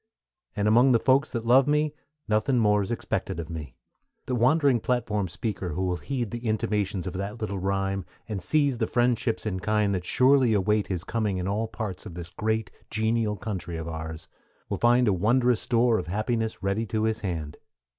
And among the folks that love me Nothin' more's expected of me. The wandering platform speaker who will heed the intimations of that little rime, and seize the friendships in kind that surely await his coming in all parts of this great, genial country of ours, will find a wondrous store of happiness ready to his hand.